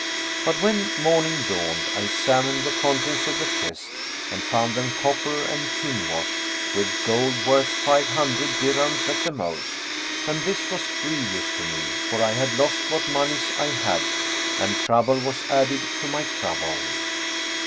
But when morning dawned I examined the contents of the chest, and found them copper and tin[FN#403] washed with gold worth five hundred dirhams at the most; and this was grievous to me, for I had lost what monies I had and trouble was added to my trouble.